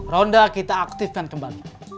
ronda kita aktifkan kembali